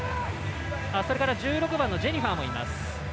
それから１６番のジェニファーもいます。